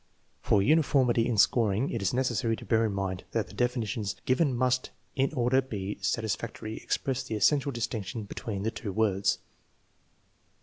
For uniformity in scoring it is necessary to bear in mind that the definitions given must, in order to be satisfactory, express the essential distinction between the two words.